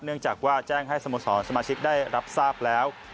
เนื่องจากว่าแจ้งให้สโมสรสมาชิกได้รับทราบแล้ว